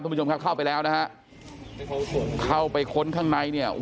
คุณผู้ชมครับเข้าไปแล้วนะฮะเข้าไปค้นข้างในเนี่ย